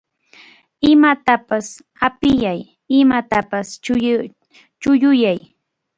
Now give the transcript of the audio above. Imatapas apiyay, imatapas chulluyay.